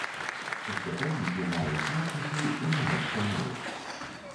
Усе помнікі маюць надпісы ў нямецкай мове.